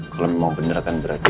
kalau memang beneran kan berarti